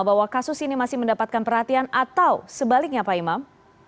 bahwa kasus ini masih mendapatkan perhatian atau sebaliknya pak imam